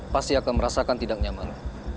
pasti akan merasakan tidak nyaman